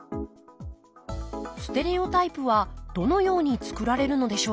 ステレオタイプはどのように作られるのでしょうか？